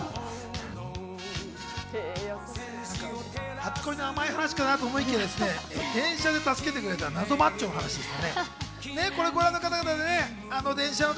初恋の甘い話かなと思いきや、電車で助けてくれた謎マッチョの話でした。